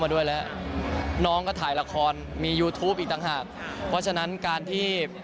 ไม่ได้ตั้งหากเพราะฉะนั้นการที่